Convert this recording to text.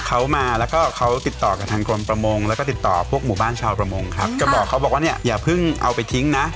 เขามาแล้วก็เขาติดต่อกับทางกรมประมงแล้วก็ติดต่อพวกหมู่บ้านชาวประมงครับจะบอกเขาบอกว่าเนี่ยอย่าเพิ่งเอาไปทิ้งนะ